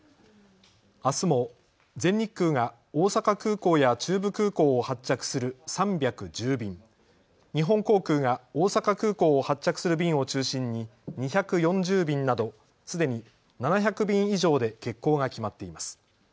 あすも全日空が大阪空港や中部空港を発着する３１０便、日本航空が大阪空港を発着する便を中心に２４０便などすでに７００便以上で欠航が決まっています。